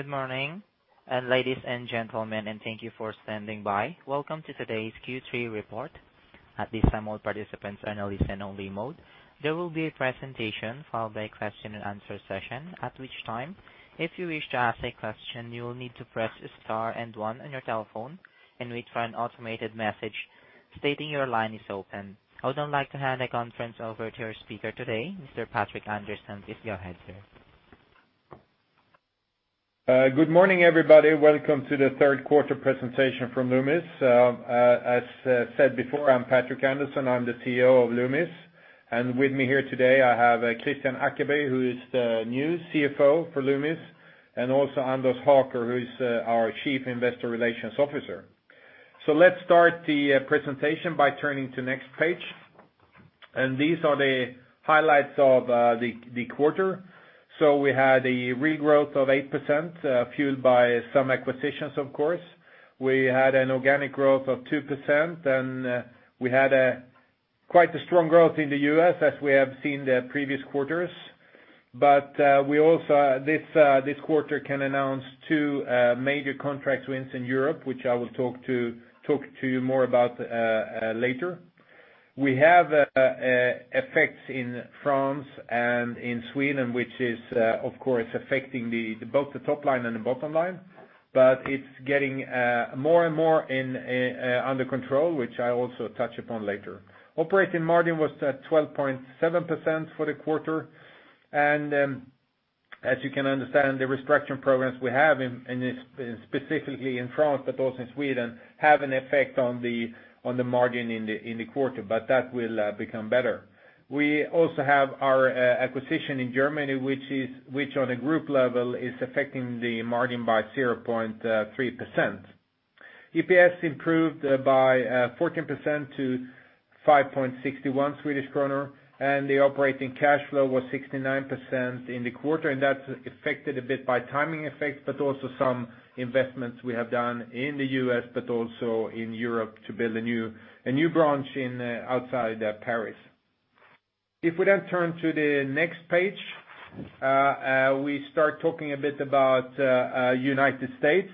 Good morning, ladies and gentlemen. Thank you for standing by. Welcome to today's Q3 report. At this time, all participants are in a listen-only mode. There will be a presentation followed by question and answer session. At which time, if you wish to ask a question, you will need to press star and one on your telephone and wait for an automated message stating your line is open. I would like to hand the conference over to our speaker today, Mr. Patrik Andersson. It's your turn, sir. Good morning, everybody. Welcome to the third quarter presentation from Loomis. As said before, I'm Patrik Andersson, I'm the CEO of Loomis. With me here today, I have Kristian Ackeby, who is the new CFO for Loomis, and also Anders Haker, who is our Chief Investor Relations Officer. Let's start the presentation by turning to next page. These are the highlights of the quarter. We had a regrowth of 8% fueled by some acquisitions, of course. We had an organic growth of 2% and we had quite a strong growth in the U.S. as we have seen the previous quarters. We also this quarter can announce two major contract wins in Europe, which I will talk to you more about later. We have effects in France and in Sweden, which is, of course, affecting both the top line and the bottom line, but it's getting more and more under control, which I also touch upon later. Operating margin was at 12.7% for the quarter. As you can understand, the restructuring programs we have specifically in France but also in Sweden, have an effect on the margin in the quarter, but that will become better. We also have our acquisition in Germany, which on a group level is affecting the margin by 0.3%. EPS improved by 14% to 5.61 Swedish kronor. The operating cash flow was 69% in the quarter. That's affected a bit by timing effects, but also some investments we have done in the U.S., but also in Europe to build a new branch outside Paris. If we turn to the next page, we start talking a bit about United States.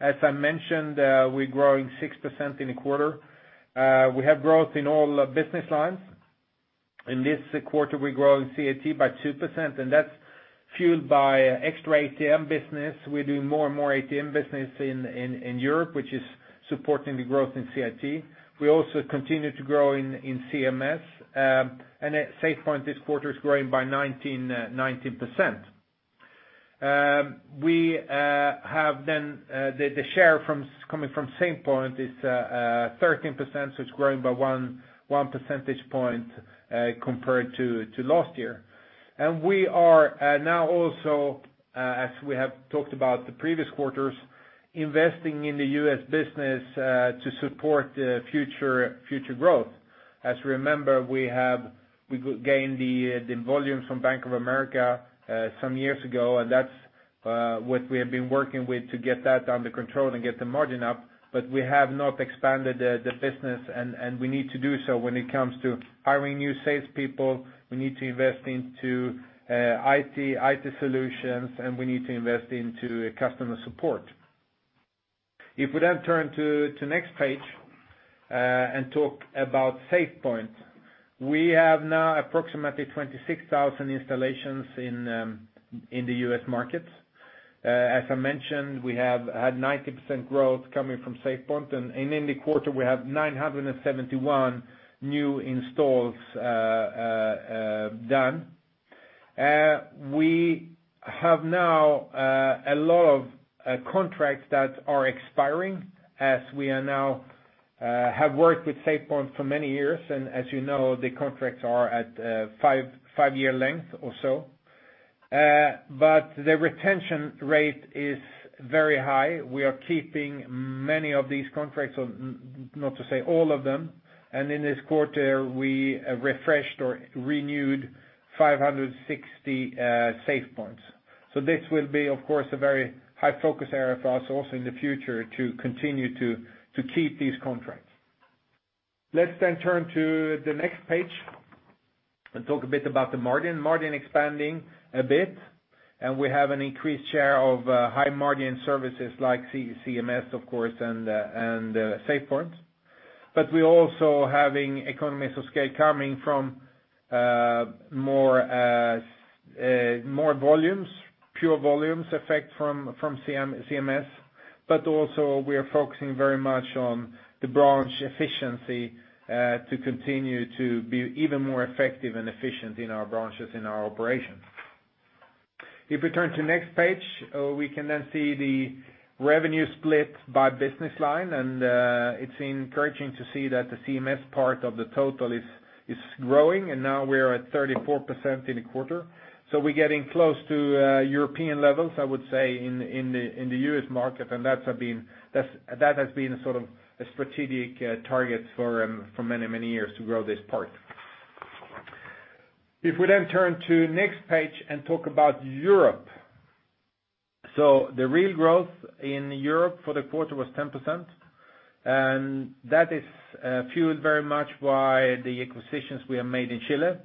As I mentioned, we're growing 6% in a quarter. We have growth in all business lines. In this quarter, we're growing CIT by 2%. That's fueled by extra ATM business. We're doing more and more ATM business in Europe, which is supporting the growth in CIT. We also continue to grow in CMS. SafePoint this quarter is growing by 19%. We have then the share coming from SafePoint is 13%, so it's growing by one percentage point compared to last year. We are now also, as we have talked about the previous quarters, investing in the U.S. business to support future growth. As you remember, we gained the volumes from Bank of America some years ago, and that's what we have been working with to get that under control and get the margin up. We have not expanded the business, and we need to do so when it comes to hiring new salespeople, we need to invest into IT solutions, and we need to invest into customer support. If we turn to next page and talk about SafePoint. We have now approximately 26,000 installations in the U.S. market. As I mentioned, we have had 19% growth coming from SafePoint, and in the quarter we have 971 new installs done. We have now a lot of contracts that are expiring as we now have worked with SafePoint for many years, and as you know, the contracts are at five-year length or so. The retention rate is very high. We are keeping many of these contracts, not to say all of them, and in this quarter, we refreshed or renewed 560 SafePoints. This will be, of course, a very high focus area for us also in the future to continue to keep these contracts. Let's turn to the next page and talk a bit about the margin. Margin expanding a bit, and we have an increased share of high-margin services like CMS, of course, and SafePoint. We're also having economies of scale coming from more volumes, pure volumes effect from CMS. Also we are focusing very much on the branch efficiency to continue to be even more effective and efficient in our branches in our operations. If we turn to next page, we can see the revenue split by business line, and it's encouraging to see that the CMS part of the total is growing, and now we're at 34% in a quarter. We're getting close to European levels, I would say, in the U.S. market, and that has been a sort of a strategic target for many years to grow this part. If we turn to next page and talk about Europe. The real growth in Europe for the quarter was 10%. And that is fueled very much by the acquisitions we have made in Chile,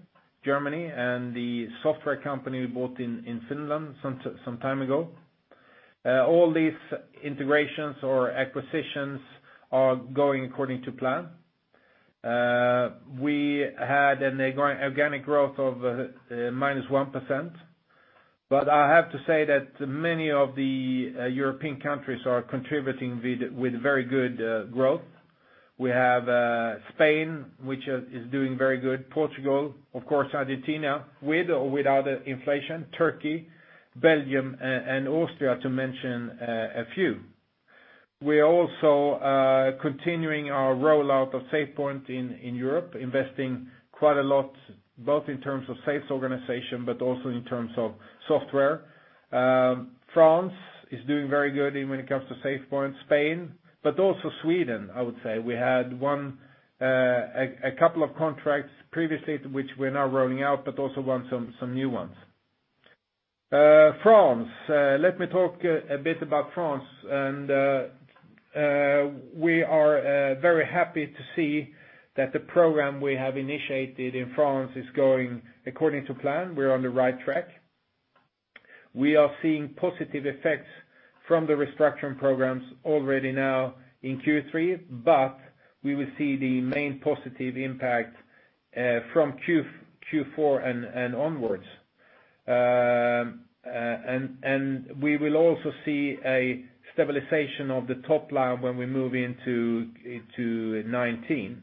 Germany, and the software company we bought in Finland some time ago. All these integrations or acquisitions are going according to plan. We had an organic growth of -1%, I have to say that many of the European countries are contributing with very good growth. We have Spain, which is doing very good, Portugal, of course, Argentina, with or without inflation, Turkey, Belgium, and Austria, to mention a few. We are also continuing our rollout of SafePoint in Europe, investing quite a lot, both in terms of sales organization but also in terms of software. France is doing very good when it comes to SafePoint. Spain, also Sweden, I would say. We had won a couple of contracts previously, which we're now rolling out, but also won some new ones. France. Let me talk a bit about France. We are very happy to see that the program we have initiated in France is going according to plan. We're on the right track. We are seeing positive effects from the restructuring programs already now in Q3, we will see the main positive impact from Q4 and onwards. We will also see a stabilization of the top line when we move into 2019.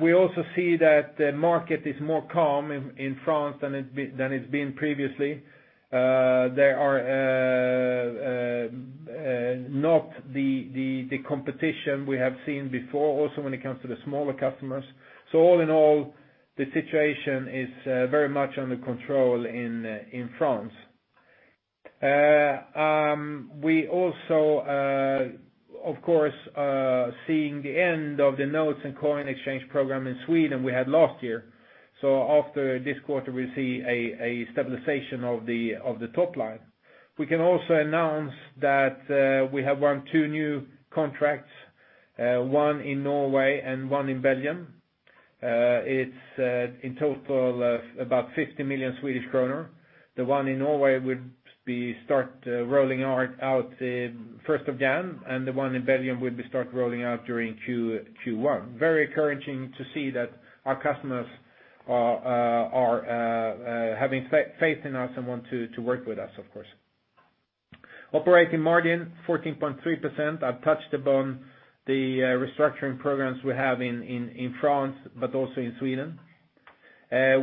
We also see that the market is more calm in France than it's been previously. There are not the competition we have seen before, also when it comes to the smaller customers. All in all, the situation is very much under control in France. We also, of course, are seeing the end of the notes and coin exchange program in Sweden we had last year. After this quarter, we'll see a stabilization of the top line. We can also announce that we have won two new contracts, one in Norway and one in Belgium. It's in total about 50 million Swedish kronor. The one in Norway would start rolling out the first of January, and the one in Belgium would start rolling out during Q1. Very encouraging to see that our customers are having faith in us and want to work with us, of course. Operating margin 14.3%. I've touched upon the restructuring programs we have in France but also in Sweden.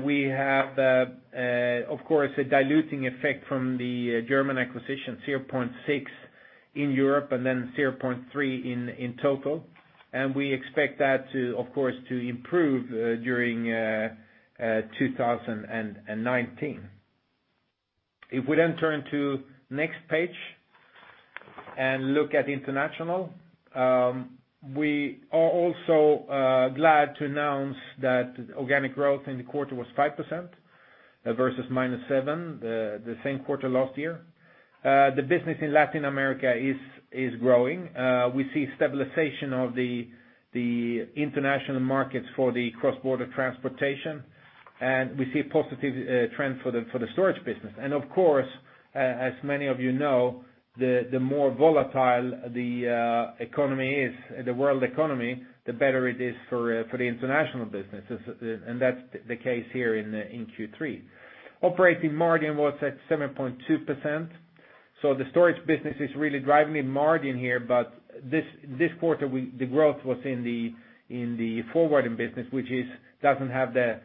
We have, of course, a diluting effect from the German acquisition, 0.6% in Europe and then 0.3% in total. We expect that to, of course, improve during 2019. We turn to next page and look at international. We are also glad to announce that organic growth in the quarter was 5% versus -7%, the same quarter last year. The business in Latin America is growing. We see stabilization of the international markets for the cross-border transportation, and we see a positive trend for the storage business. Of course, as many of you know, the more volatile the world economy is, the better it is for the international business, and that's the case here in Q3. Operating margin was at 7.2%. The storage business is really driving the margin here, but this quarter, the growth was in the forwarding business, which doesn't have the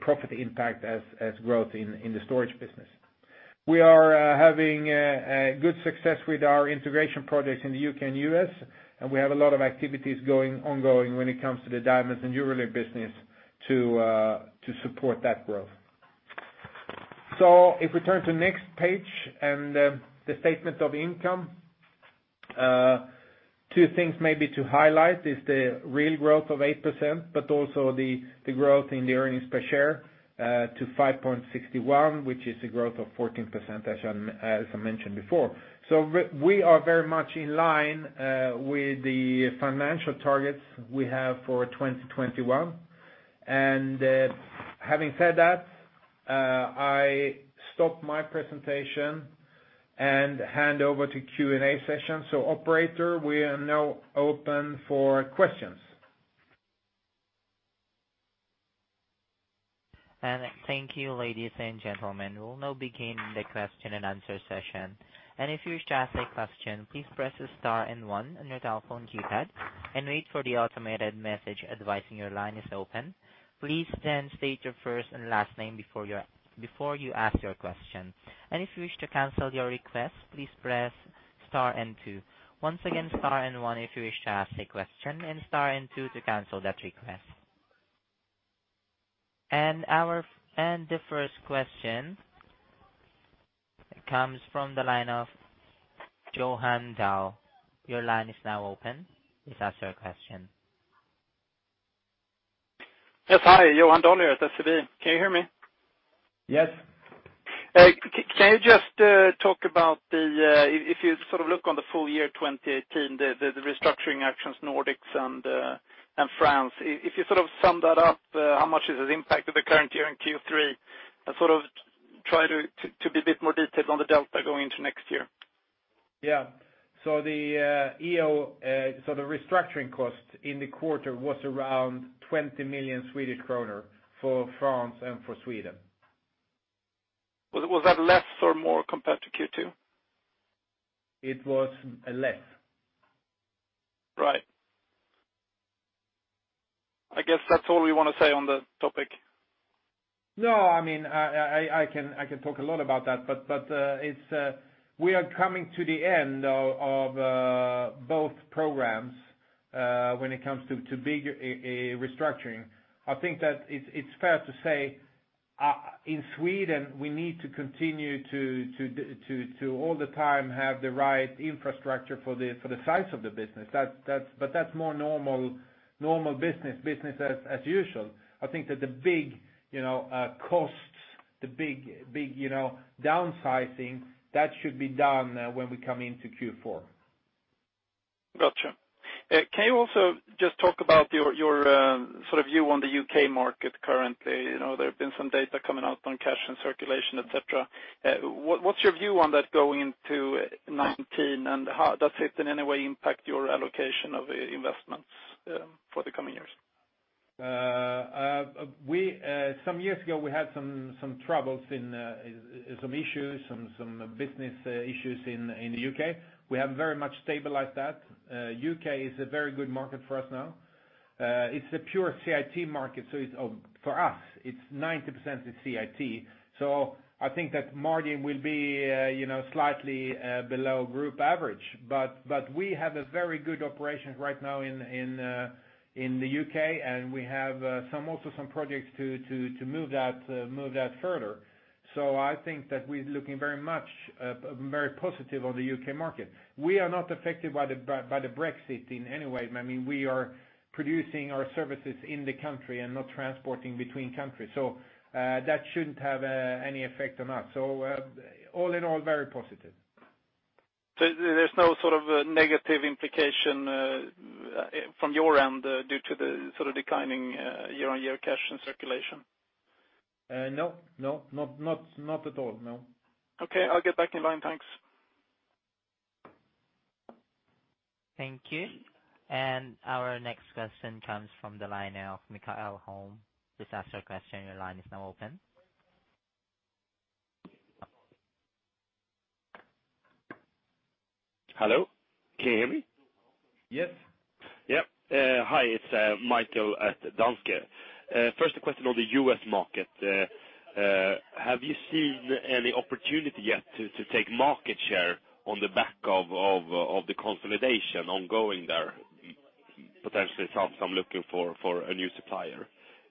profit impact as growth in the storage business. We are having good success with our integration projects in the U.K. and U.S., and we have a lot of activities ongoing when it comes to the diamonds and jewelry business to support that growth. If we turn to next page and the statement of income, two things maybe to highlight is the real growth of 8%, but also the growth in the earnings per share to 5.61, which is a growth of 14%, as I mentioned before. We are very much in line with the financial targets we have for 2021. Having said that, I stop my presentation and hand over to Q&A session. Operator, we are now open for questions. Thank you, ladies and gentlemen. We'll now begin the question and answer session. If you wish to ask a question, please press star and one on your telephone keypad and wait for the automated message advising your line is open. Please then state your first and last name before you ask your question. If you wish to cancel your request, please press star and two. Once again, star and one if you wish to ask a question, and star and two to cancel that request. The first question comes from the line of Johan Dahler. Your line is now open. Please ask your question. Yes. Hi, Johan Dahler at SEB. Can you hear me? Yes. Can you just talk about, if you look on the full year 2018, the restructuring actions, Nordics and France. If you sum that up, how much has it impacted the current year in Q3, and try to be a bit more detailed on the delta going into next year? Yeah. The restructuring cost in the quarter was around 20 million Swedish kronor for France and for Sweden. Was that less or more compared to Q2? It was less. Right. I guess that's all we want to say on the topic. No, I can talk a lot about that, but we are coming to the end of both programs when it comes to big restructuring. I think that it's fair to say, in Sweden, we need to continue to all the time have the right infrastructure for the size of the business. That's more normal business as usual. I think that the big costs, the big downsizing, that should be done when we come into Q4. Got you. Can you also just talk about your view on the U.K. market currently? There have been some data coming out on cash and circulation, et cetera. What's your view on that going into 2019, and how does it in any way impact your allocation of investments for the coming years? Some years ago, we had some business issues in the U.K. We have very much stabilized that. U.K. is a very good market for us now. It's a pure CIT market, so for us, it's 90% is CIT. I think that margin will be slightly below group average. We have a very good operation right now in the U.K., and we have also some projects to move that further. I think that we're looking very positive on the U.K. market. We are not affected by the Brexit in any way. We are producing our services in the country and not transporting between countries. That shouldn't have any effect on us. All in all, very positive. There's no negative implication from your end due to the declining year-on-year cash and circulation? No, not at all, no. Okay. I'll get back in line. Thanks. Thank you. Our next question comes from the line of Mikael Holm. Please ask your question. Your line is now open. Hello, can you hear me? Yes. Yep. Hi, it's Mikael at Danske. First a question on the U.S. market. Have you seen any opportunity yet to take market share on the back of the consolidation ongoing there, potentially some looking for a new supplier?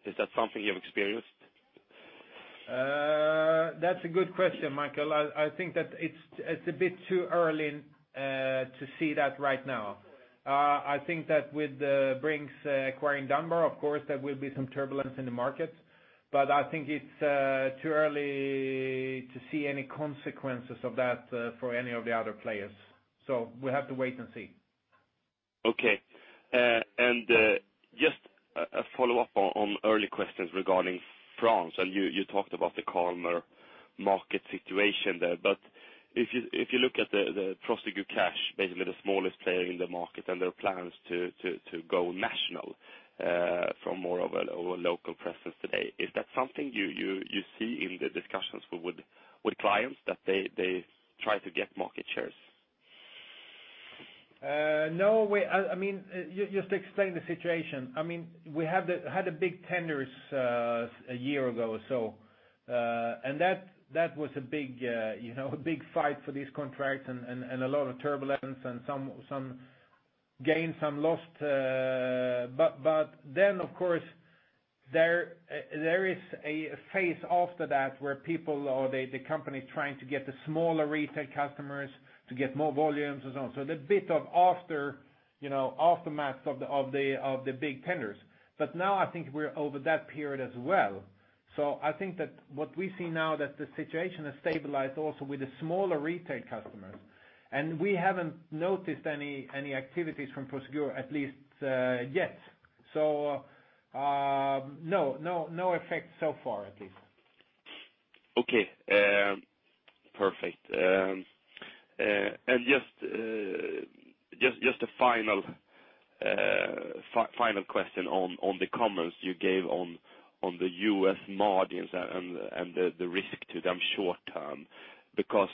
Is that something you've experienced? That's a good question, Mikael. I think that it's a bit too early to see that right now. I think that with Brink's acquiring Dunbar, of course, there will be some turbulence in the market. I think it's too early to see any consequences of that for any of the other players. We have to wait and see. Okay. Just a follow-up on earlier questions regarding France, you talked about the calmer market situation there. If you look at the Prosegur Cash, basically the smallest player in the market, and their plans to go national from more of a local presence today, is that something you see in the discussions with clients that they try to get market shares? No. Just to explain the situation, we had big tenders a year ago or so, that was a big fight for this contract, a lot of turbulence, some gain, some lost. Of course, there is a phase after that where people or the company trying to get the smaller retail customers to get more volumes and so on. The bit of aftermath of the big tenders. Now I think we're over that period as well. I think that what we see now that the situation has stabilized also with the smaller retail customers, we haven't noticed any activities from Prosegur at least yet. No effect so far, at least. Okay, perfect. Just a final question on the comments you gave on the U.S. margins and the risk to them short term, because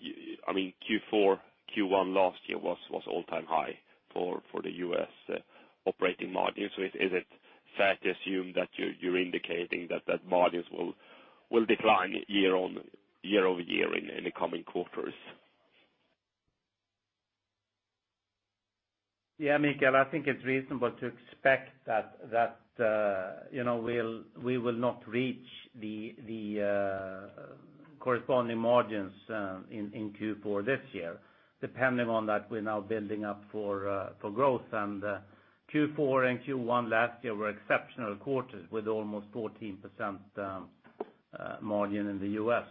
Q4, Q1 last year was all-time high for the U.S. operating margin. Is it fair to assume that you're indicating that margins will decline year-over-year in the coming quarters? Yeah, Mikael, I think it's reasonable to expect that we will not reach the Corresponding margins in Q4 this year, depending on that, we're now building up for growth. Q4 and Q1 last year were exceptional quarters with almost 14% margin in the U.S.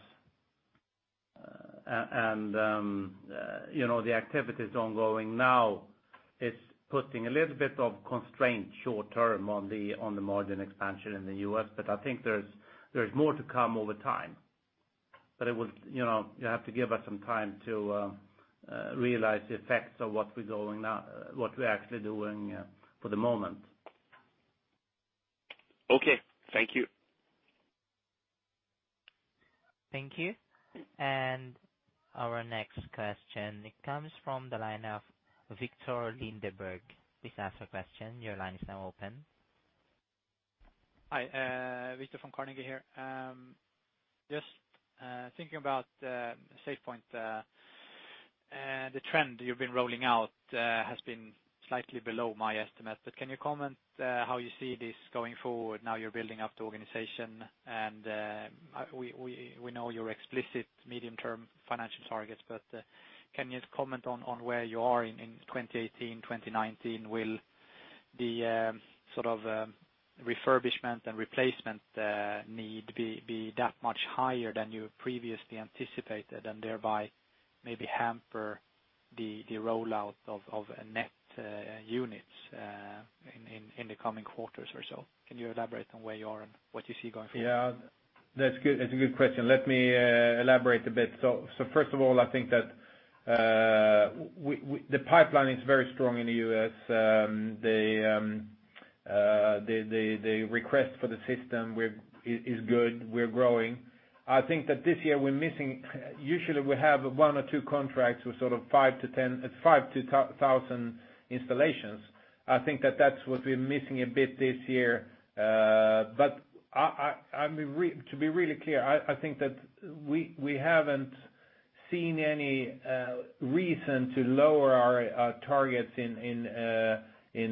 The activity is ongoing now. It's putting a little bit of constraint short-term on the margin expansion in the U.S., I think there's more to come over time. You have to give us some time to realize the effects of what we're actually doing for the moment. Okay. Thank you. Thank you. Our next question comes from the line of Viktor Lindeberg. Please ask your question. Your line is now open. Hi, Viktor from Carnegie here. Just thinking about SafePoint. The trend you've been rolling out has been slightly below my estimate. Can you comment how you see this going forward now you're building up the organization and we know your explicit medium-term financial targets. Can you just comment on where you are in 2018, 2019? Will the sort of refurbishment and replacement need be that much higher than you previously anticipated and thereby maybe hamper the rollout of net units in the coming quarters or so? Can you elaborate on where you are and what you see going forward? Yeah, that's a good question. Let me elaborate a bit. First of all, I think that the pipeline is very strong in the U.S. The request for the system is good. We're growing. I think that this year usually we have one or two contracts with sort of 5,000 to 10,000 installations. I think that's what we're missing a bit this year. To be really clear, I think that we haven't seen any reason to lower our targets in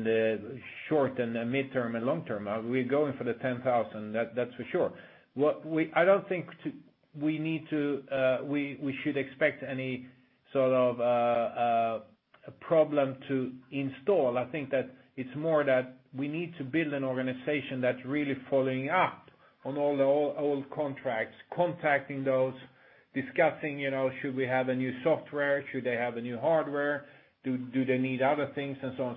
the short and midterm and long term. We're going for the 10,000, that's for sure. I don't think we should expect any sort of problem to install. I think that it's more that we need to build an organization that's really following up on all the old contracts, contacting those, discussing should we have a new software? Should they have a new hardware? Do they need other things? And so on.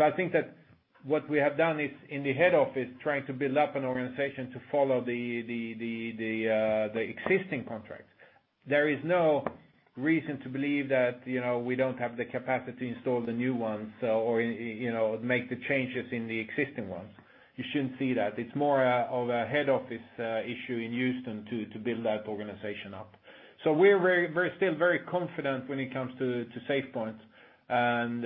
I think that what we have done is in the head office, trying to build up an organization to follow the existing contracts. There is no reason to believe that we don't have the capacity to install the new ones or make the changes in the existing ones. You shouldn't see that. It's more of a head office issue in Houston to build that organization up. We're still very confident when it comes to SafePoint, and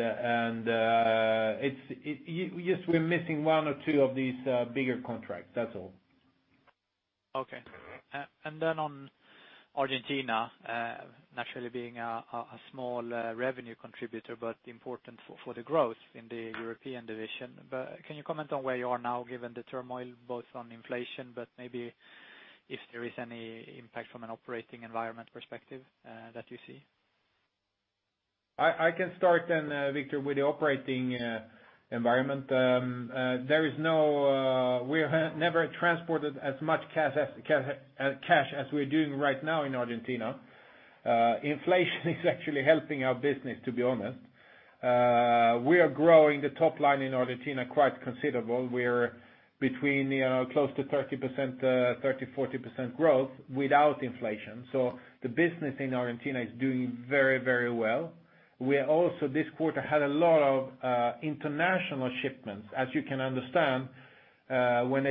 we're missing one or two of these bigger contracts, that's all. Okay. On Argentina, naturally being a small revenue contributor, important for the growth in the European division. Can you comment on where you are now given the turmoil both on inflation, maybe if there is any impact from an operating environment perspective that you see? I can start then, Viktor, with the operating environment. We have never transported as much cash as we are doing right now in Argentina. Inflation is actually helping our business, to be honest. We are growing the top line in Argentina quite considerable. We are between close to 30%-40% growth without inflation. The business in Argentina is doing very well. We also this quarter had a lot of international shipments. As you can understand, when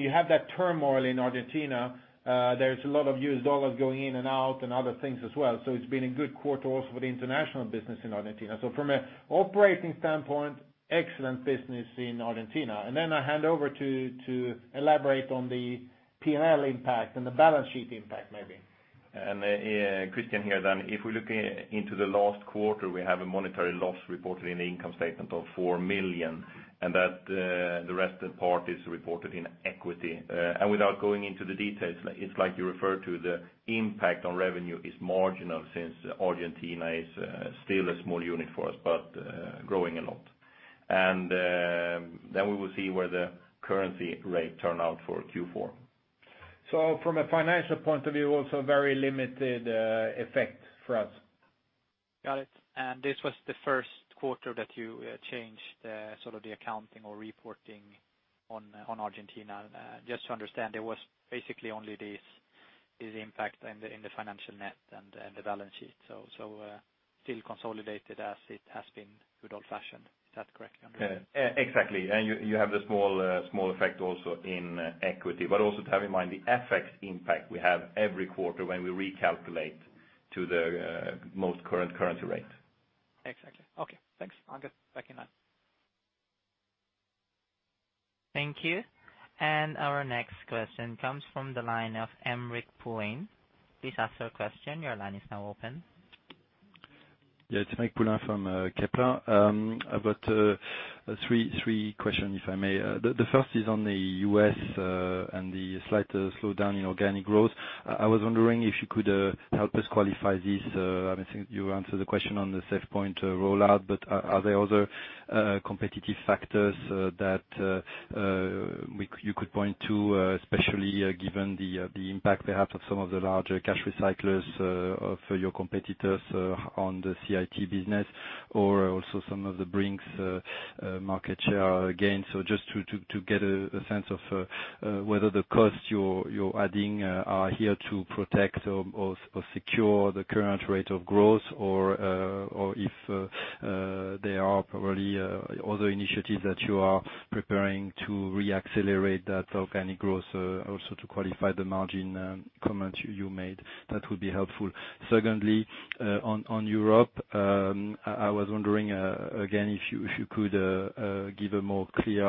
you have that turmoil in Argentina, there is a lot of $ going in and out and other things as well. It has been a good quarter also for the international business in Argentina. From an operating standpoint, excellent business in Argentina. I hand over to elaborate on the P&L impact and the balance sheet impact maybe. Kristian here then. If we look into the last quarter, we have a monetary loss reported in the income statement of 4 million, and that the rest of the part is reported in equity. Without going into the details, it's like you referred to, the impact on revenue is marginal since Argentina is still a small unit for us, but growing a lot. We will see where the currency rate turn out for Q4. From a financial point of view, also very limited effect for us. Got it. This was the first quarter that you changed the sort of the accounting or reporting on Argentina. Just to understand, it was basically only this impact in the financial net and the balance sheet. Still consolidated as it has been good old-fashioned. Is that correct? Exactly. You have the small effect also in equity, but also to have in mind the FX impact we have every quarter when we recalculate to the most current currency rate. Exactly. Okay, thanks. I'll get back in line. Thank you. Our next question comes from the line of Aymeric Poulain. Please ask your question. Your line is now open. Yeah. It's Aymeric Poulain from Kepler. I've got three questions, if I may. The first is on the U.S. and the slight slowdown in organic growth. I was wondering if you could help us qualify this. I think you answered the question on the SafePoint rollout, but are there other competitive factors that you could point to, especially given the impact perhaps of some of the larger cash recyclers for your competitors on the CIT business or also some of the Brink's market share gains? Just to get a sense of whether the costs you're adding are here to protect or secure the current rate of growth or if there are probably other initiatives that you are preparing to re-accelerate that organic growth, also to qualify the margin comment you made. That would be helpful. Secondly, on Europe, I was wondering again if you could give a more clear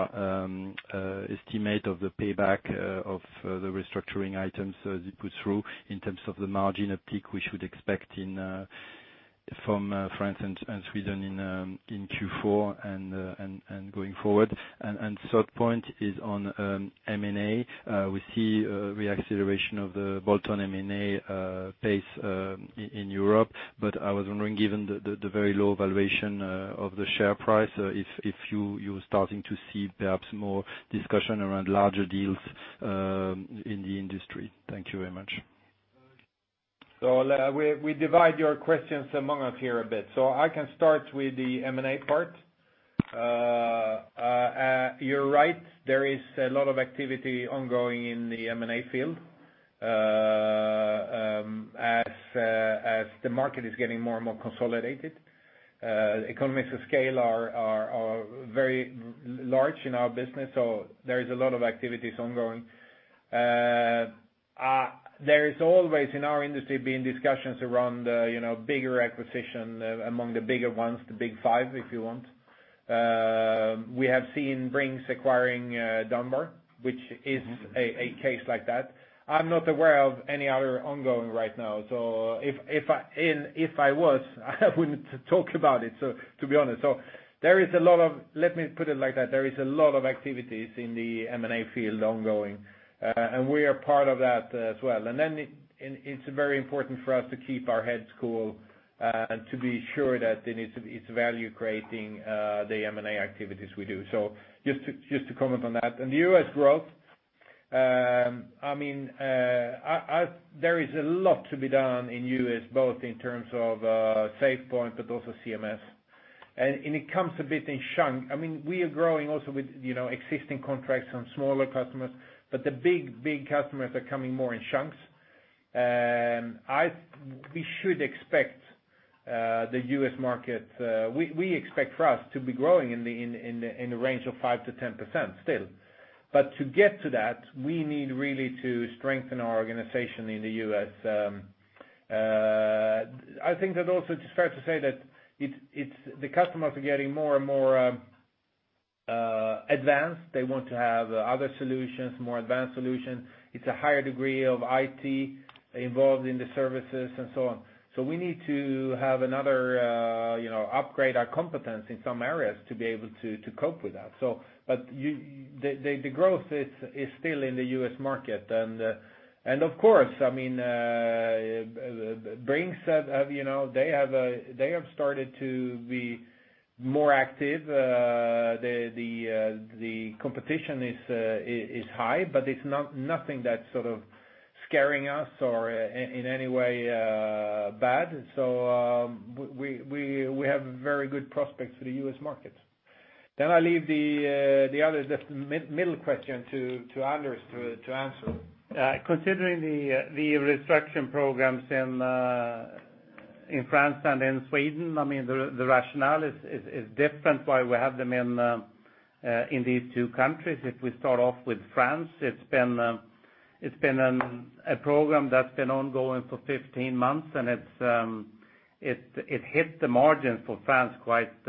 estimate of the payback of the restructuring items that you put through in terms of the margin of peak we should expect from France and Sweden in Q4 and going forward. Third point is on M&A. We see re-acceleration of the bolt-on M&A pace in Europe. I was wondering, given the very low valuation of the share price, if you are starting to see perhaps more discussion around larger deals in the industry. Thank you very much. We divide your questions among us here a bit. I can start with the M&A part. You're right, there is a lot of activity ongoing in the M&A field as the market is getting more and more consolidated. Economies of scale are very large in our business, so there is a lot of activities ongoing. There is always, in our industry, been discussions around bigger acquisitions among the bigger ones, the big five, if you want. We have seen Brink's acquiring Dunbar, which is a case like that. I'm not aware of any other ongoing right now. If I was, I wouldn't talk about it, to be honest. Let me put it like that, there is a lot of activities in the M&A field ongoing, and we are part of that as well. It's very important for us to keep our heads cool and to be sure that it's value-creating the M&A activities we do. Just to comment on that. On U.S. growth, there is a lot to be done in U.S. both in terms of SafePoint, but also CMS. It comes a bit in chunk. We are growing also with existing contracts from smaller customers, but the big customers are coming more in chunks. We should expect the U.S. market. We expect for us to be growing in the range of 5%-10% still. To get to that, we need really to strengthen our organization in the U.S. I think that also it's fair to say that the customers are getting more and more advanced. They want to have other solutions, more advanced solutions. It's a higher degree of IT involved in the services and so on. We need to upgrade our competence in some areas to be able to cope with that. The growth is still in the U.S. market. Of course, Brink's, they have started to be more active. The competition is high, but it's nothing that's sort of scaring us or in any way bad. We have very good prospects for the U.S. market. I leave the middle question to Anders to answer. Considering the restructuring programs in France and in Sweden, the rationale is different why we have them in these two countries. If we start off with France, it's been a program that's been ongoing for 15 months, and it hit the margin for France quite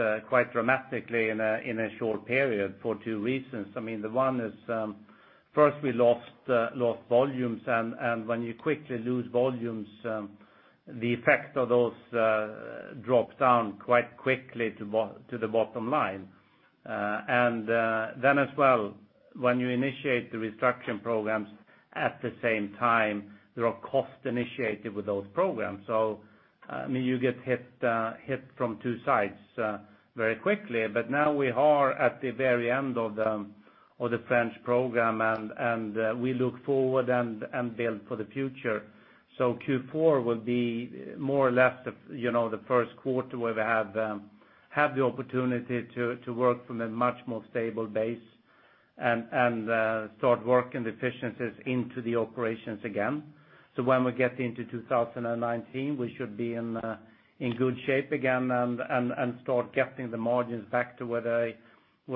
dramatically in a short period for two reasons. One is first, we lost volumes, and when you quickly lose volumes, the effect of those drops down quite quickly to the bottom line. As well, when you initiate the restructuring programs at the same time, there are costs initiated with those programs. You get hit from two sides very quickly. Now we are at the very end of the French program, and we look forward and build for the future. Q4 will be more or less the first quarter where we have the opportunity to work from a much more stable base and start working the efficiencies into the operations again. When we get into 2019, we should be in good shape again and start getting the margins back to where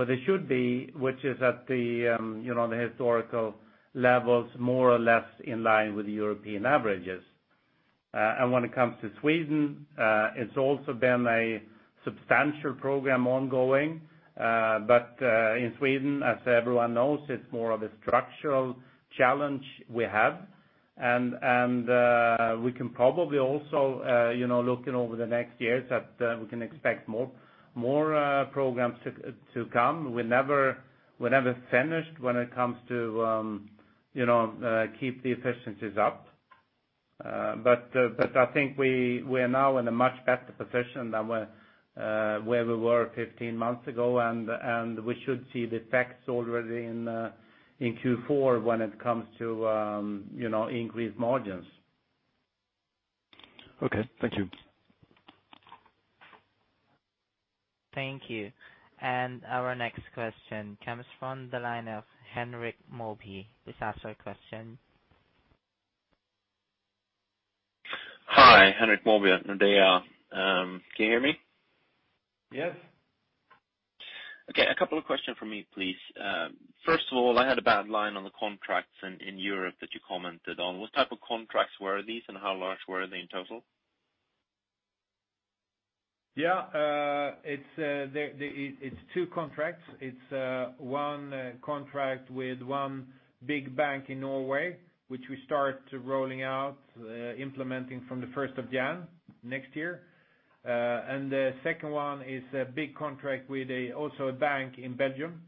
they should be, which is at the historical levels, more or less in line with the European averages. When it comes to Sweden, it's also been a substantial program ongoing. In Sweden, as everyone knows, it's more of a structural challenge we have. We can probably also look over the next years that we can expect more programs to come. We're never finished when it comes to keep the efficiencies up. I think we are now in a much better position than where we were 15 months ago, and we should see the effects already in Q4 when it comes to increased margins. Okay. Thank you. Thank you. Our next question comes from the line of Henrik Mollerby, please ask your question. Hi, Henrik Mollerby at Nordea. Can you hear me? Yes. Okay. A couple of questions from me, please. First of all, I had a bad line on the contracts in Europe that you commented on. What type of contracts were these and how large were they in total? Yeah. It is two contracts. It is one contract with one big bank in Norway, which we start rolling out, implementing from the 1st of January next year. The second one is a big contract with also a bank in Belgium,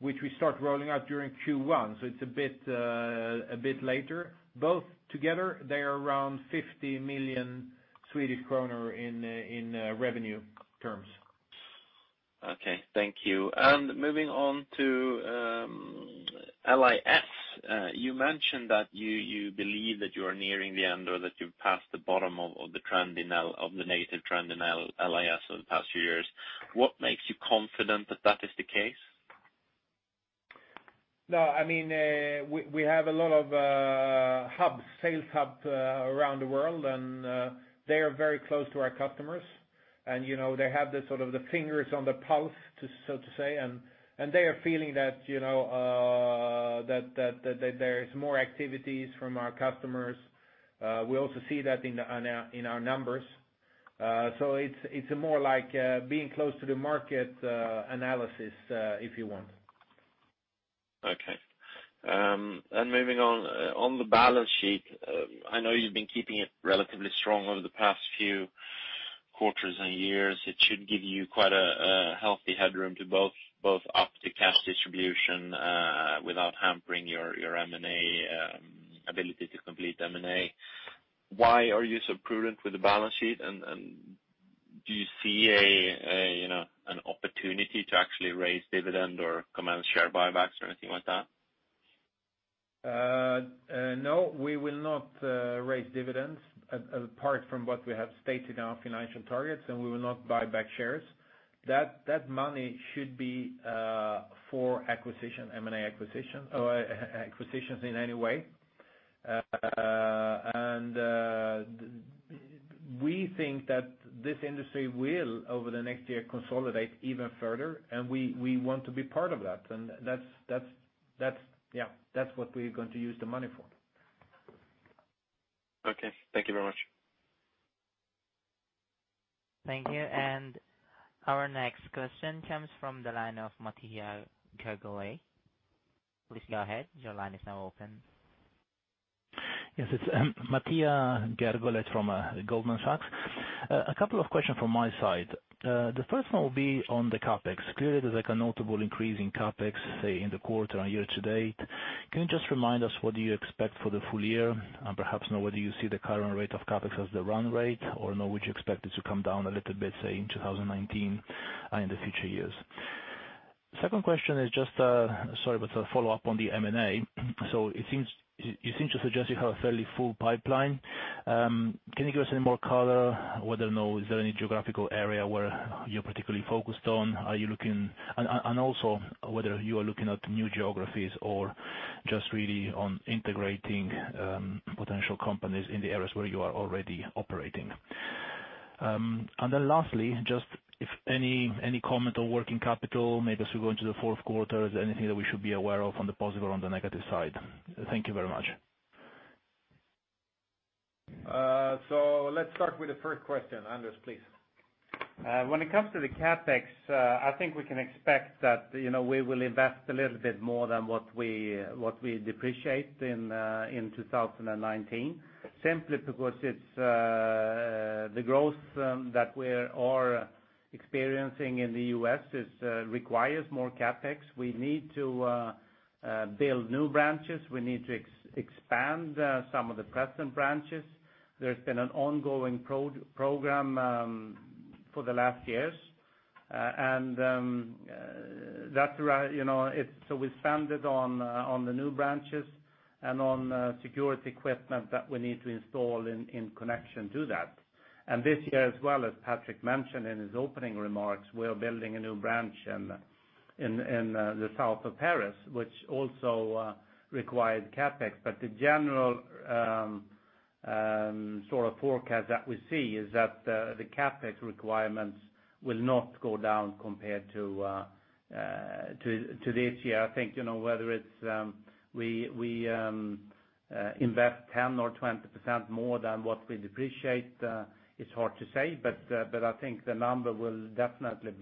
which we start rolling out during Q1, it is a bit later. Both together, they are around 50 million Swedish kronor in revenue terms. Okay. Thank you. Moving on to LIS. You mentioned that you believe that you are nearing the end or that you've passed the bottom of the negative trend in LIS over the past few years. What makes you confident that that is the case? We have a lot of sales hub around the world, and they are very close to our customers and they have the fingers on the pulse, so to say, and they are feeling that there is more activities from our customers. We also see that in our numbers. It's more like being close to the market analysis, if you want. Okay. Moving on the balance sheet, I know you've been keeping it relatively strong over the past few quarters and years. It should give you quite a healthy headroom to both up the cash distribution without hampering your ability to complete M&A. Why are you so prudent with the balance sheet? Do you see an opportunity to actually raise dividend or commence share buybacks or anything like that? We will not raise dividends apart from what we have stated in our financial targets, and we will not buy back shares. That money should be for M&A acquisitions or acquisitions in any way. We think that this industry will, over the next year, consolidate even further, and we want to be part of that. That's what we're going to use the money for. Okay. Thank you very much. Thank you. Our next question comes from the line of Mattia Gergole. Please go ahead. Your line is now open. Yes, it's Mattia Gergole from Goldman Sachs. A couple of questions from my side. The first one will be on the CapEx. Clearly, there's a notable increase in CapEx, say, in the quarter and year to date. Can you just remind us what you expect for the full year? Perhaps now whether you see the current rate of CapEx as the run rate or now would you expect it to come down a little bit, say, in 2019 and the future years? Second question is just, sorry, a follow-up on the M&A. You seem to suggest you have a fairly full pipeline. Can you give us any more color whether or not is there any geographical area where you're particularly focused on? Also whether you are looking at new geographies or just really on integrating potential companies in the areas where you are already operating? Lastly, just if any comment on working capital, maybe as we go into the fourth quarter, is there anything that we should be aware of on the positive or on the negative side? Thank you very much. Let's start with the first question. Anders, please. When it comes to the CapEx, I think we can expect that we will invest a little bit more than what we depreciate in 2019, simply because the growth that we are experiencing in the U.S. requires more CapEx. We need to build new branches. We need to expand some of the present branches. There's been an ongoing program for the last years. We spend it on the new branches and on security equipment that we need to install in connection to that. This year, as well, as Patrik mentioned in his opening remarks, we are building a new branch in the south of Paris, which also required CapEx. The general forecast that we see is that the CapEx requirements will not go down compared to this year. I think whether we invest 10% or 20% more than what we depreciate, it's hard to say, I think the number will definitely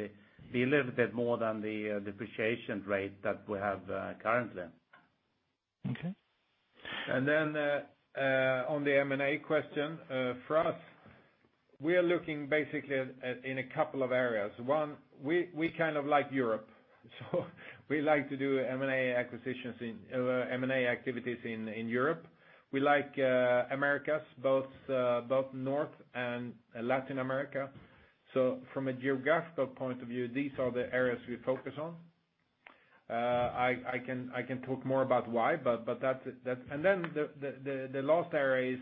be a little bit more than the depreciation rate that we have currently. Okay. On the M&A question. For us, we are looking basically in a couple of areas. One, we like Europe, we like to do M&A activities in Europe. We like Americas, both North and Latin America. From a geographical point of view, these are the areas we focus on. I can talk more about why. The last area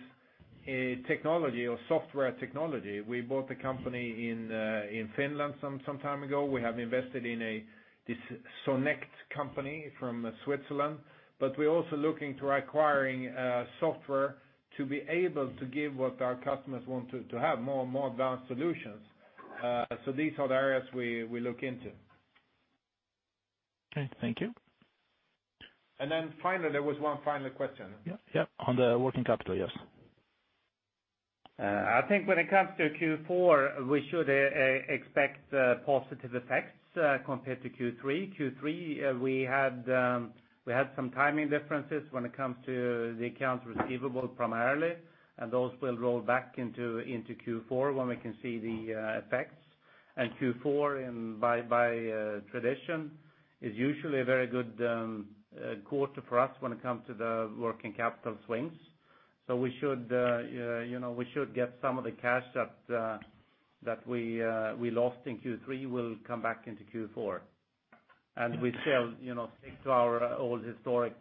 is technology or software technology. We bought a company in Finland some time ago. We have invested in this Sonect company from Switzerland, we're also looking to acquiring software to be able to give what our customers want to have more advanced solutions. These are the areas we look into. Okay. Thank you. Finally, there was one final question. Yep. On the working capital, yes. I think when it comes to Q4, we should expect positive effects compared to Q3. Q3, we had some timing differences when it comes to the accounts receivable primarily, those will roll back into Q4 when we can see the effects. Q4, by tradition, is usually a very good quarter for us when it comes to the working capital swings. We should get some of the cash that we lost in Q3 will come back into Q4. We still stick to our old historic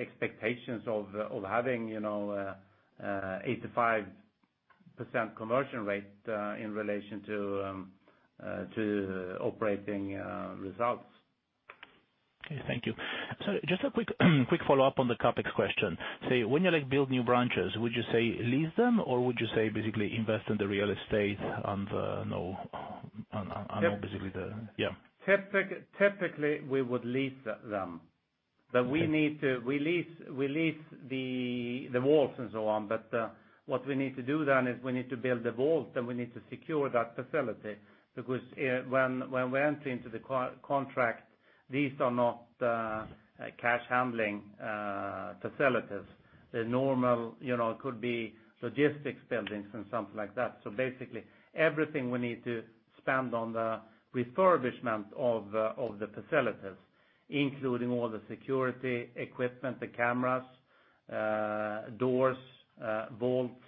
expectations of having 85% conversion rate in relation to operating results. Okay. Thank you. Just a quick follow-up on the CapEx question. When you build new branches, would you say lease them or would you say basically invest in the real estate and basically. Typically, we would lease them. We lease the vaults and so on. What we need to do is we need to build the vault and we need to secure that facility because when we enter into the contract, these are not cash handling facilities. It could be logistics buildings and something like that. Basically everything we need to spend on the refurbishment of the facilities, including all the security equipment, the cameras, doors, vaults,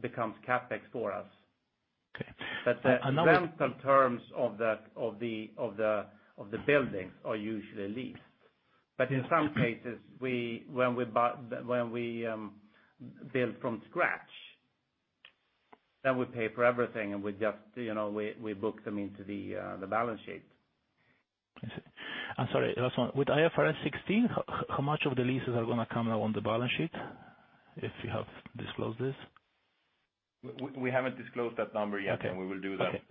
becomes CapEx for us. Okay. The rental terms of the buildings are usually leased. In some cases, when we build from scratch, we pay for everything and we book them into the balance sheet. I see. I'm sorry, last one. With IFRS 16, how much of the leases are going to come now on the balance sheet, if you have disclosed this? We haven't disclosed that number yet. Okay We will do that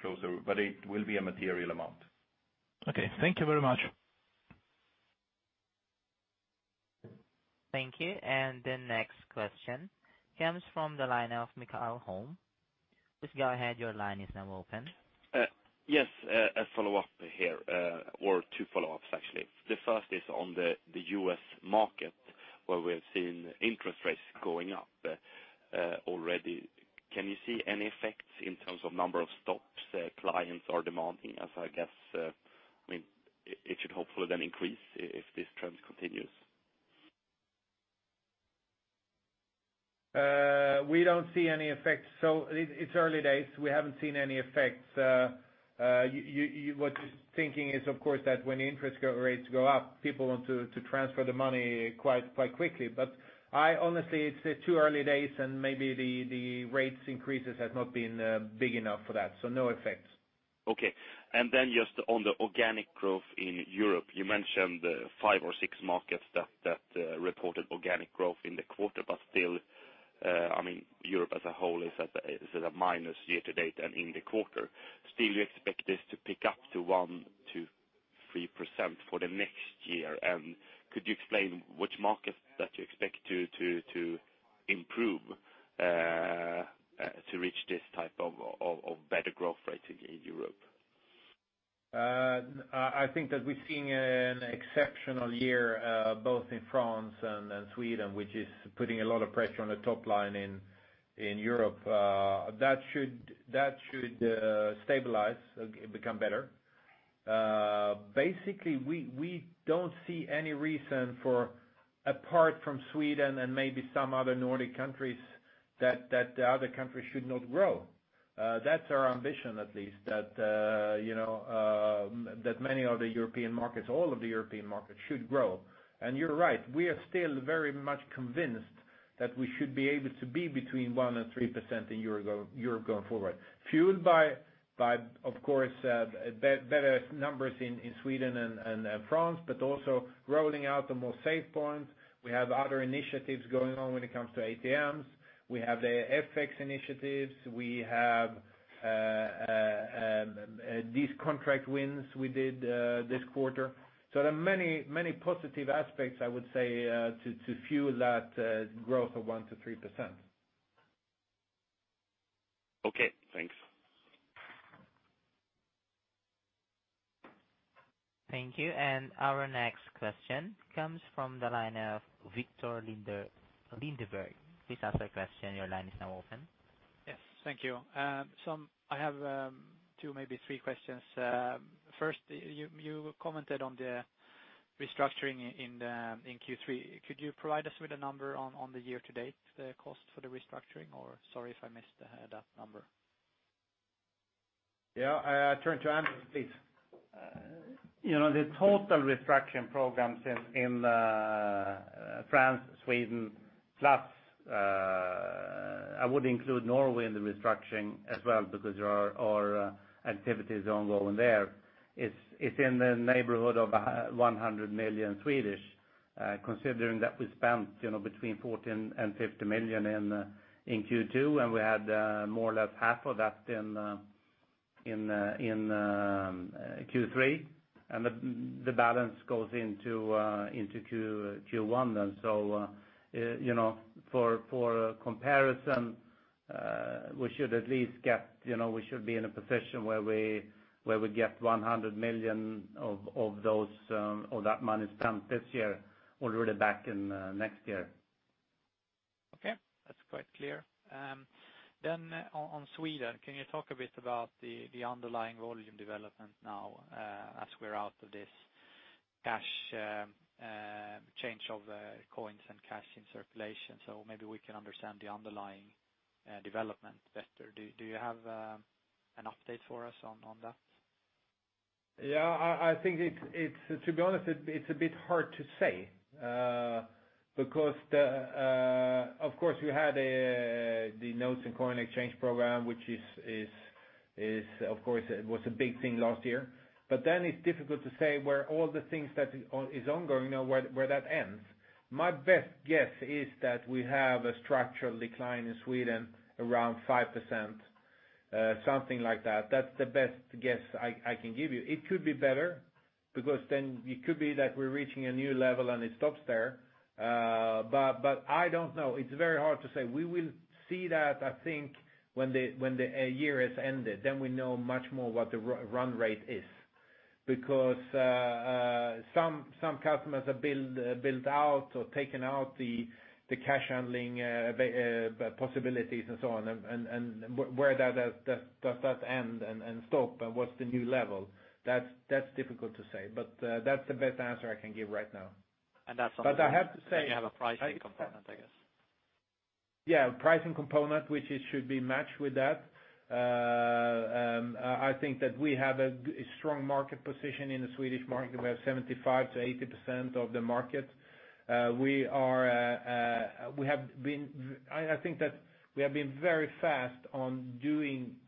closer, but it will be a material amount. Okay. Thank you very much. Thank you. The next question comes from the line of Mikael Holm. Please go ahead, your line is now open. Yes, a follow-up here, or two follow-ups, actually. The first is on the U.S. market, where we're seeing interest rates going up already. Can you see any effects in terms of number of stops clients are demanding, as I guess it should hopefully then increase if this trend continues? We don't see any effects. It's early days. We haven't seen any effects. What you're thinking is, of course, that when the interest rates go up, people want to transfer the money quite quickly. Honestly, it's too early days, and maybe the rate increases has not been big enough for that. No effects. Okay. Just on the organic growth in Europe, you mentioned five or six markets that reported organic growth in the quarter, still Europe as a whole is at a minus year-to-date and in the quarter. You expect this to pick up to 1% to 3% for the next year, could you explain which markets that you expect to improve to reach this type of better growth rate in Europe? I think that we're seeing an exceptional year both in France and Sweden, which is putting a lot of pressure on the top line in Europe. That should stabilize, become better. Basically, we don't see any reason for apart from Sweden and maybe some other Nordic countries, that the other countries should not grow. That's our ambition, at least that many of the European markets, all of the European markets should grow. You're right, we are still very much convinced that we should be able to be between 1% and 3% in Europe going forward. Fueled by, of course, better numbers in Sweden and France, also rolling out the more SafePoints. We have other initiatives going on when it comes to ATMs. We have the FX initiatives. We have these contract wins we did this quarter. There are many, many positive aspects, I would say, to fuel that growth of 1% to 3%. Okay. Thanks. Thank you. Our next question comes from the line of Viktor Lindeberg. Please ask your question. Your line is now open. Yes. Thank you. I have two, maybe three questions. First, you commented on the restructuring in Q3. Could you provide us with a number on the year to date, the cost for the restructuring or sorry if I missed that number? Yeah. I turn to Anders, please. The total restructuring programs in France, Sweden, plus I would include Norway in the restructuring as well because there are activities ongoing there. It's in the neighborhood of 100 million considering that we spent between 40 million and 50 million in Q2, and we had more or less half of that in Q3, and the balance goes into Q1. For comparison, we should be in a position where we get 100 million of that money spent this year already back in next year. Okay. That's quite clear. On Sweden, can you talk a bit about the underlying volume development now, as we're out of this cash change of coins and cash in circulation, maybe we can understand the underlying development better. Do you have an update for us on that? I think to be honest, it's a bit hard to say because, of course we had the notes and coin exchange program, which of course, it was a big thing last year. It's difficult to say where all the things that is ongoing now, where that ends. My best guess is that we have a structural decline in Sweden around 5%, something like that. That's the best guess I can give you. It could be better because then it could be that we're reaching a new level and it stops there. I don't know. It's very hard to say. We will see that, I think, when the year has ended, we know much more what the run rate is because some customers are built out or taken out the cash handling possibilities and so on, where does that end and stop and what's the new level? That's difficult to say, that's the best answer I can give right now. that's something- I have to say- You have a pricing component, I guess. Yeah, pricing component, which it should be matched with that. I think that we have a strong market position in the Swedish market. We have 75%-80% of the market. I think that we have been very fast on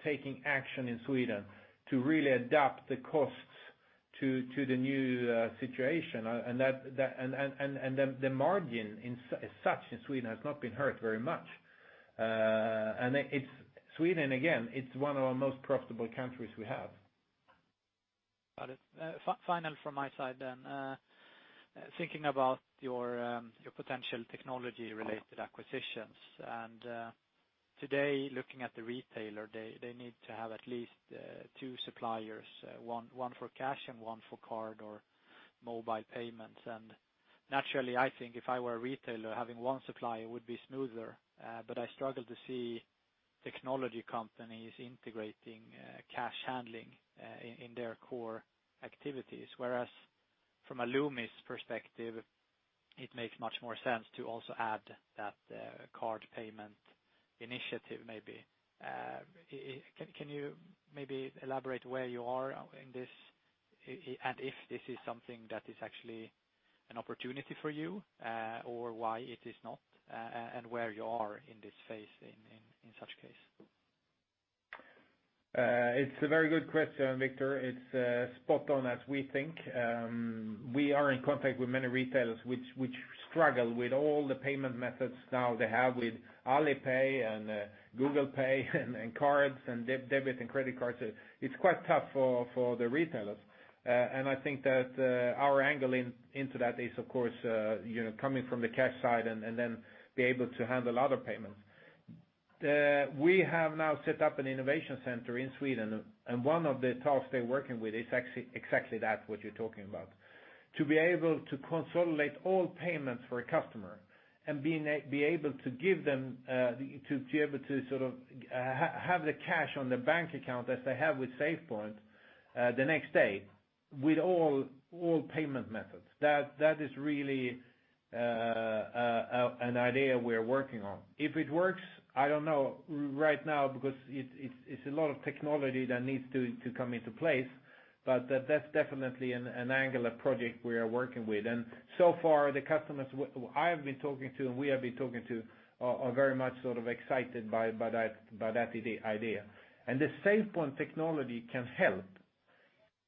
taking action in Sweden to really adapt the costs to the new situation and the margin as such in Sweden has not been hurt very much. Sweden, again, it's one of our most profitable countries we have. Got it. Final from my side then. Thinking about your potential technology-related acquisitions and today looking at the retailer, they need to have at least two suppliers, one for cash and one for card or mobile payments. Naturally, I think if I were a retailer, having one supplier would be smoother. I struggle to see technology companies integrating cash handling in their core activities. Whereas from a Loomis perspective, it makes much more sense to also add that card payment initiative maybe. Can you maybe elaborate where you are in this and if this is something that is actually an opportunity for you, or why it is not, and where you are in this phase in such case? It's a very good question, Viktor. It's spot on as we think. We are in contact with many retailers which struggle with all the payment methods now they have with Alipay and Google Pay and cards and debit and credit cards. It's quite tough for the retailers. I think that our angle into that is of course coming from the cash side and then be able to handle other payments. We have now set up an innovation center in Sweden, and one of the tasks they're working with is exactly that what you're talking about. To be able to consolidate all payments for a customer and be able to have the cash on the bank account as they have with SafePoint the next day with all payment methods. That is really an idea we're working on. If it works, I don't know right now because it's a lot of technology that needs to come into place. That's definitely an angular project we are working with. So far, the customers I have been talking to and we have been talking to are very much sort of excited by that idea. The SafePoint technology can help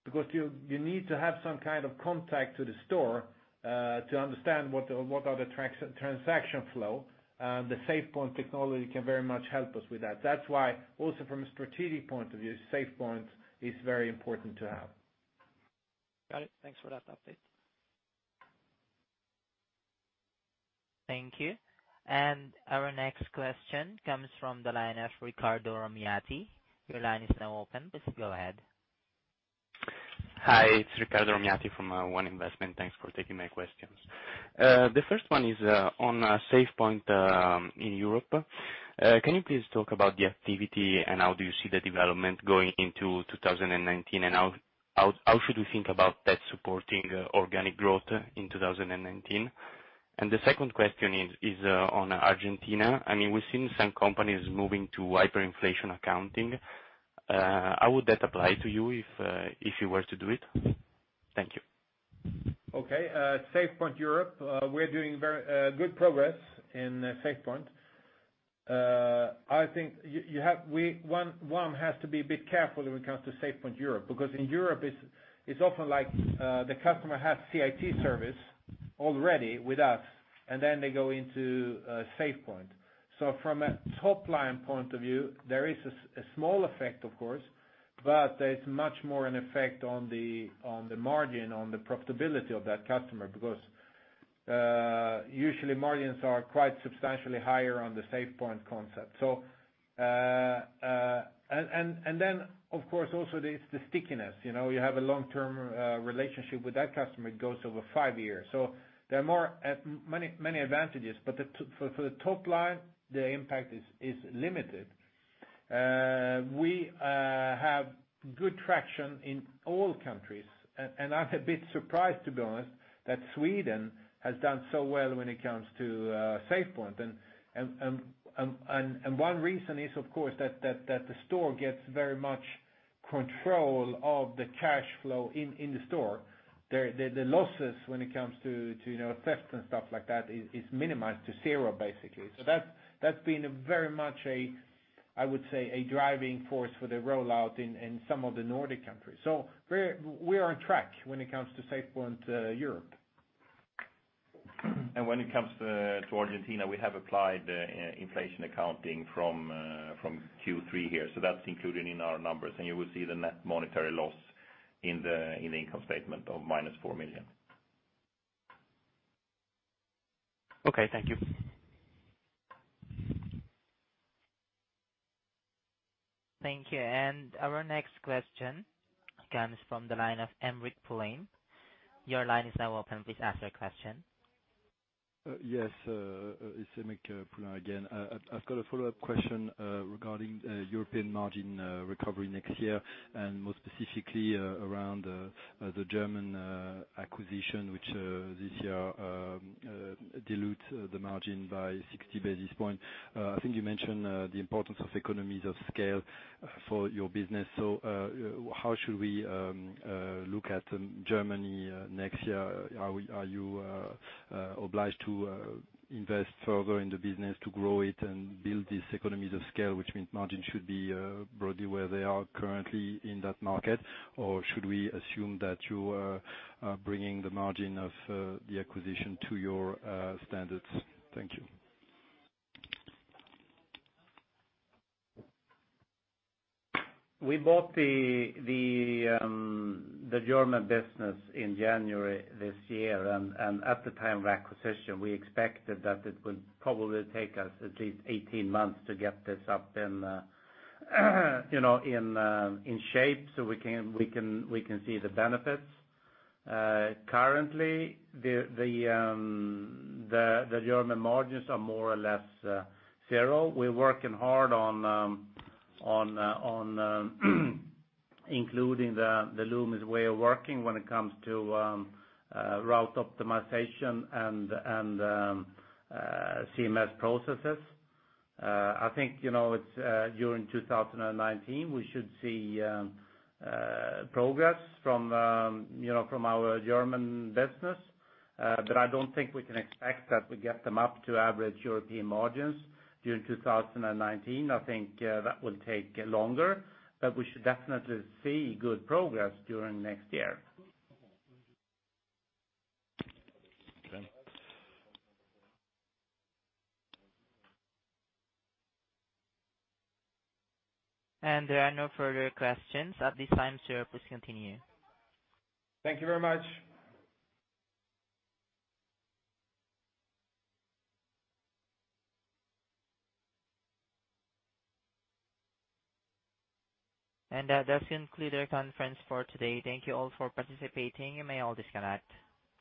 because you need to have some kind of contact to the store, to understand what are the transaction flow. The SafePoint technology can very much help us with that. That's why also from a strategic point of view, SafePoint is very important to have. Got it. Thanks for that update. Thank you. Our next question comes from the line of Riccardo Romati. Your line is now open. Please go ahead. Hi, it's Riccardo Romati from One Investment. Thanks for taking my questions. The first one is on SafePoint in Europe. Can you please talk about the activity and how do you see the development going into 2019, and how should we think about that supporting organic growth in 2019? The second question is on Argentina. We've seen some companies moving to hyperinflation accounting. How would that apply to you if you were to do it? Thank you. Okay. SafePoint Europe, we're doing very good progress in SafePoint. I think one has to be a bit careful when it comes to SafePoint Europe, because in Europe it's often like the customer has CIT service already with us, and then they go into SafePoint. From a top-line point of view, there is a small effect of course, but there's much more an effect on the margin, on the profitability of that customer, because usually margins are quite substantially higher on the SafePoint concept. Then of course also there's the stickiness. You have a long-term relationship with that customer, it goes over five years. There are many advantages, but for the top line, the impact is limited. We have good traction in all countries, and I'm a bit surprised to be honest, that Sweden has done so well when it comes to SafePoint. One reason is of course that the store gets very much control of the cash flow in the store. The losses when it comes to theft and stuff like that is minimized to zero basically. That's been a very much a, I would say, a driving force for the rollout in some of the Nordic countries. We're on track when it comes to SafePoint Europe. When it comes to Argentina, we have applied inflation accounting from Q3 here, so that's included in our numbers and you will see the net monetary loss in the income statement of minus 4 million. Okay, thank you. Thank you. Our next question comes from the line of Aymeric Poulain. Your line is now open, please ask your question. Yes. It's Aymeric Poulain again. I've got a follow-up question regarding European margin recovery next year, and more specifically around the German acquisition, which this year dilutes the margin by 60 basis point. I think you mentioned the importance of economies of scale for your business. How should we look at Germany next year? Are you obliged to invest further in the business to grow it and build these economies of scale, which means margin should be broadly where they are currently in that market? Should we assume that you are bringing the margin of the acquisition to your standards? Thank you. We bought the German business in January this year. At the time of acquisition we expected that it would probably take us at least 18 months to get this up in shape so we can see the benefits. Currently, the German margins are more or less zero. We're working hard on including the Loomis way of working when it comes to route optimization and CMS processes. I think during 2019 we should see progress from our German business. I don't think we can expect that we get them up to average European margins during 2019. I think that will take longer. We should definitely see good progress during next year. Okay. There are no further questions at this time, sir. Please continue. Thank you very much. That does conclude our conference for today. Thank you all for participating. You may all disconnect.